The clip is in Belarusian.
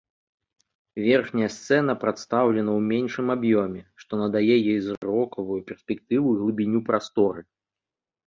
Верхняя сцэна прадстаўлена ў меншым аб'ёме, што надае ёй зрокавую перспектыву і глыбіню прасторы.